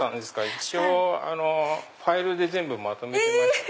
一応ファイルでまとめてまして。